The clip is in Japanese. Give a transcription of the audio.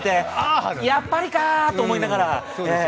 やっぱりかと思いながら。